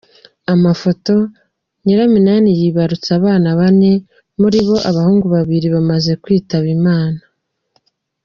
Amafoto: Nyiraminani yibarutse abana bane, muri bo abahungu babiri bamaze kwitaba Imana.